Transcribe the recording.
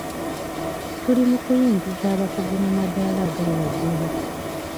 Tuli mu kuyingiza abakugu mu maddaala agawaggulu.